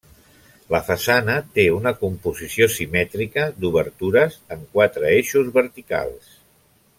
La façana té una composició simètrica d'obertures en quatre eixos verticals.